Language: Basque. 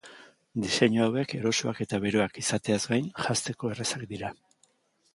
Diseinu hauek erosoak eta beroak izateaz gain, janzteko errazak dira.